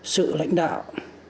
sự lãnh đạo